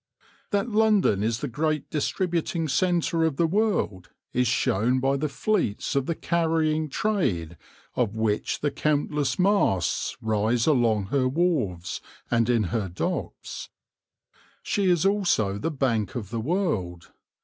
That London is the great distributing centre of the world is shown by the fleets of the carrying trade of which the countless masts rise along her wharves and in her docks. She is also the bank of the world.